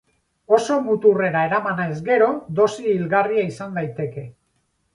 Oso muturrera eramanez gero, dosi hilgarria izan daiteke.